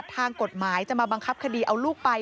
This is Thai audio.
ทางกฎหมายจะมาบังคับคดีเอาลูกไป